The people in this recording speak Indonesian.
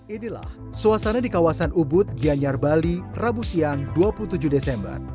inilah suasana di kawasan ubud gianyar bali rabu siang dua puluh tujuh desember